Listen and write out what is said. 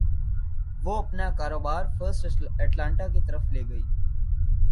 وہ اپنا کاروبار فرسٹ اٹلانٹا کی طرف لے گئی